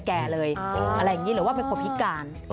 แก่เลยอะไรอย่างนี้หรือว่าเป็นคนพิการ